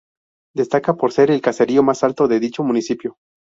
Destaca por ser el caserío más alto de dicho municipio.